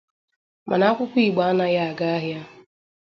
mana akwụkwọ Igbo anaghị aga ahịa